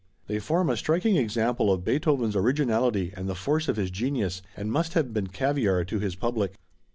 They form a striking example of Beethoven's originality and the force of his genius, and must have been caviar to his public.